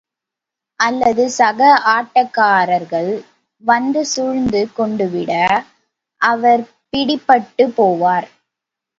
அல்லது சக ஆட்டக்காரர்கள் வந்து சூழ்ந்து கொண்டுவிட, அவர் பிடிபட்டுப் போவார்.